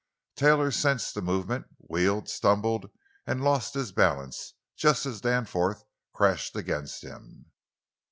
Taylor sensed the movement, wheeled, stumbled, and lost his balance just as Danforth crashed against him.